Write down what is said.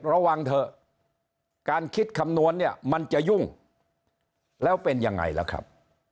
ระวังเถอะการคิดคำนวณเนี่ยมันจะยุ่งแล้วเป็นยังไงล่ะครับ